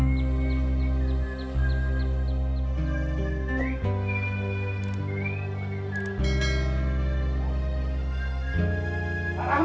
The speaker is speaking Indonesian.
untung saja pak rahman itu